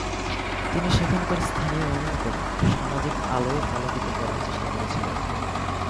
তিনি সেখানকার স্থানীয় মানুষদের সামাজিক আলোয় আলোকিত করার চেষ্টা করেছিলেন।